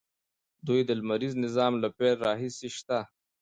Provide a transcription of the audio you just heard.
دوی د لمریز نظام له پیل راهیسې شته.